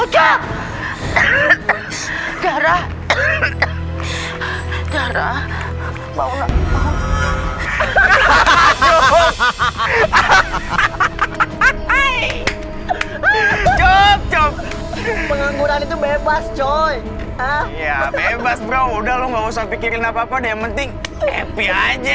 cuk sekarang lo lihat dulu aja pak day ya